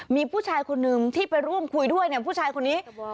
มีผู้ชายคนนึงที่ไปร่วมคุยด้วยเนี่ยผู้ชายคนนี้